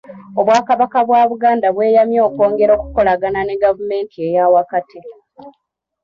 Obwakabaka bwa Buganda bweyamye okwongera okukolagana ne gavumenti eyaawakati .